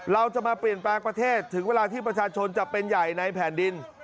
เราจะมาเปลี่ยนแปลงประเทศถึงเวลาที่ประชาชนจะเป็นใหญ่ในแผ่นดิน